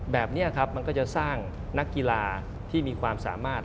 แบบนี้ครับมันก็จะสร้างนักกีฬาที่มีความสามารถ